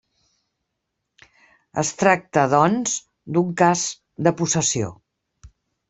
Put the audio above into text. Es tracta, doncs, d'un cas de possessió.